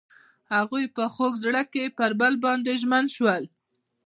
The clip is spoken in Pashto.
هغوی په خوږ زړه کې پر بل باندې ژمن شول.